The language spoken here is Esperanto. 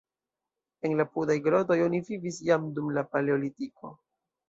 En la apudaj grotoj oni vivis jam dum la paleolitiko.